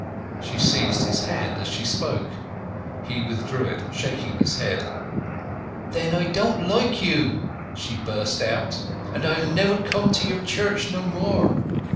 She seized his hand as she spoke. He withdrew it, shaking his head. "Then I don't like you!" she burst out, "and I'll never come to your church no more!"